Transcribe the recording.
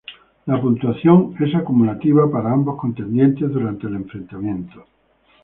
La puntuación es acumulativa para ambos contendientes durante el enfrentamiento.